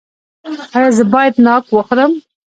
ایا زه باید ناک وخورم؟